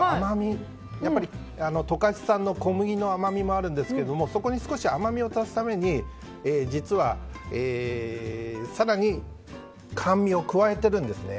やっぱり十勝産の小麦の甘みもあるんですけどそこに少し甘みを足すために実は更に甘味を加えてるんですね。